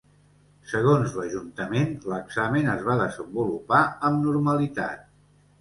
Segons l'Ajuntament, l'examen es va desenvolupar amb normalitat.